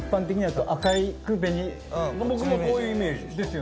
僕もそういうイメージでした。ですよね。